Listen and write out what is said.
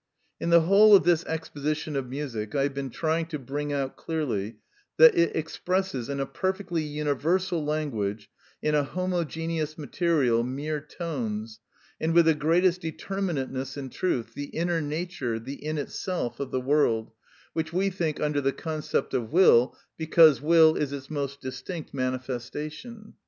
In the whole of this exposition of music I have been trying to bring out clearly that it expresses in a perfectly universal language, in a homogeneous material, mere tones, and with the greatest determinateness and truth, the inner nature, the in itself of the world, which we think under the concept of will, because will is its most distinct manifestation.